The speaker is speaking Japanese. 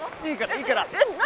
いいからいいから。